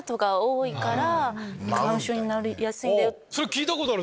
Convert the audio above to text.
それ聞いたことある！